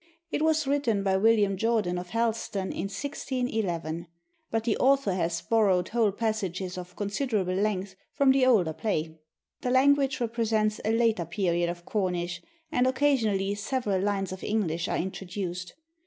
It was written by William Jordan of Helston in 1611; but the author has borrowed whole passages of considerable length from the older play. The language represents a later period of Cornish, and occasionally several lines of English are introduced.